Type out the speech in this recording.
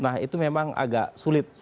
nah itu memang agak sulit